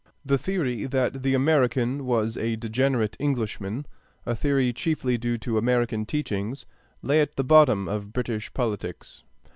The theory that the American was a degenerate Englishman a theory chiefly due to American teachings lay at the bottom of British politics.